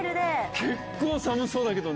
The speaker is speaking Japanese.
結構寒そうだけどね。